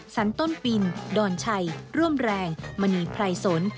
ต้นปินดอนชัยร่วมแรงมณีไพรสน